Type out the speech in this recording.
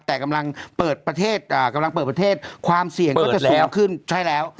แต่กำลังเปิดประเทศความเสี่ยงก็จะสูงขึ้นใช่แล้ว